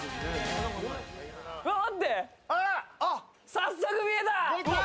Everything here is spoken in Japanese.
早速見えた。